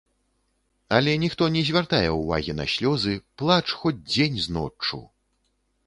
Але ніхто не звяртае ўвагі на слёзы, плач хоць дзень з ноччу.